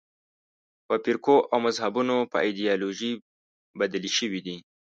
د فرقو او مذهبونو په ایدیالوژۍ بدلې شوې دي.